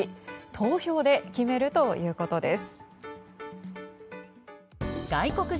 投票で決めるということです。